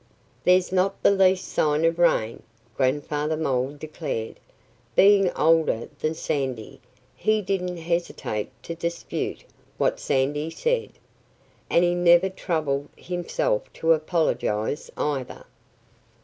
"There's not the least sign of rain," Grandfather Mole declared. Being older than Sandy, he didn't hesitate to dispute what Sandy said. And he never troubled himself to apologize, either.